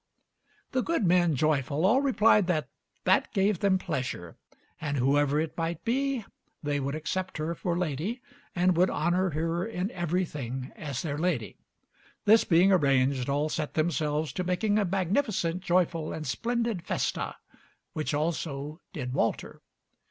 The good men, joyful, all replied that that gave them pleasure, and whoever it might be, they would accept her for lady and would honor her in everything as their lady. This being arranged, all set themselves to making a magnificent, joyful, and splendid festa, which also did Walter.